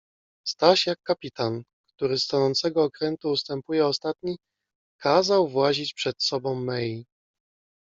Staś jak kapitan, który z tonącego okrętu ustępuje ostatni, kazał włazić przed sobą Mei.